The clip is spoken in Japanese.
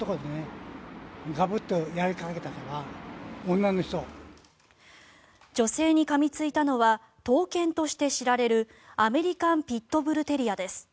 女性にかみついたのは闘犬として知られるアメリカンピットブルテリアです。